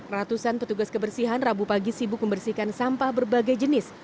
ratusan petugas kebersihan rabu pagi sibuk membersihkan sampah berbagai jenis